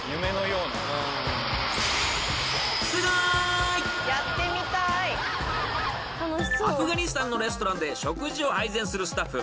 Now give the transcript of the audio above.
［アフガニスタンのレストランで食事を配膳するスタッフ］